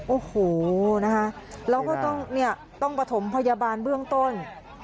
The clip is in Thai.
โอ้โหนะคะแล้วก็ต้องเนี่ยต้องประถมพยาบาลเบื้องต้น